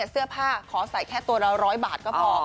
เสื้อผ้าขอใส่แค่ตัวละ๑๐๐บาทก็พอ